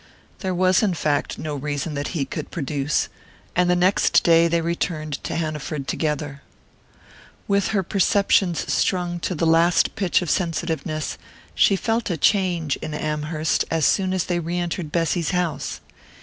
There was in fact no reason that he could produce; and the next day they returned to Hanaford together. With her perceptions strung to the last pitch of sensitiveness, she felt a change in Amherst as soon as they re entered Bessy's house.